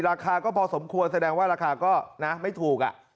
ราคาก็พอสมควรแสดงว่าราคาก็นะไม่ถูก